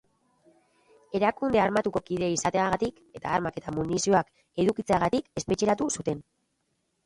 Erakunde armatuko kide izateagatik eta armak eta munizioak edukitzeagatik espetxeratu zuten.